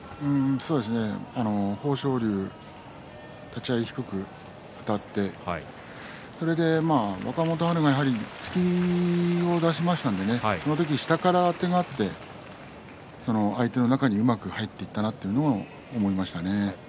そうですね、豊昇龍立ち合い低くあたってそれで若元春がやはり突きを出しましたのでその時、下からあてがって相手の中にうまく入っていたなと思いましたね。